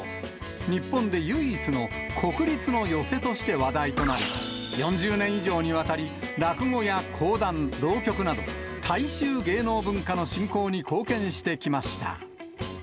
日本で唯一の国立の寄席として話題となり、４０年以上にわたり、落語や講談、浪曲など、大衆芸能文化の振興に貢献してきました。